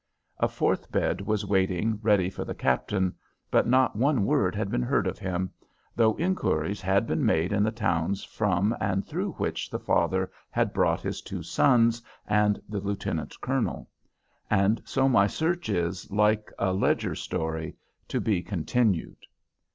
A fourth bed was waiting ready for the Captain, but not one word had been heard of him, though inquiries had been made in the towns from and through which the father had brought his two sons and the lieutenant colonel. And so my search is, like a "Ledger" story, to be continued.